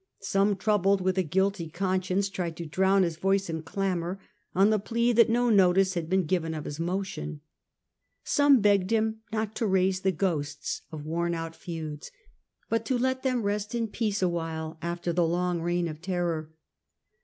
Some troubled with a guilty conscience tried to drown his voice in clamour, on the plea that no notice had been given of his motion ; some begged him not to raise the ghosts of wormout feuds, but to let them rest in peace awhile after the long reign of terror.